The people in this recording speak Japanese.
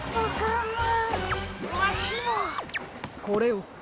これを。